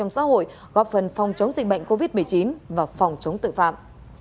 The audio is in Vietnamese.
x một mươi chín và phòng chống tự phạm